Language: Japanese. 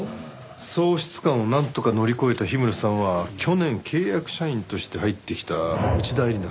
喪失感をなんとか乗り越えた氷室さんは去年契約社員として入ってきた内田絵里奈さんと交際を開始。